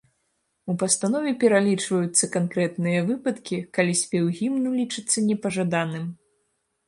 У пастанове пералічваюцца канкрэтныя выпадкі, калі спеў гімну лічыцца непажаданым.